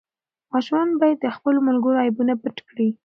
ماشومان باید د خپلو ملګرو عیبونه پټ کړي.